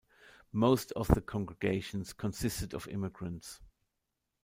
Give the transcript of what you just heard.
Most of the congregations consisted of immigrants.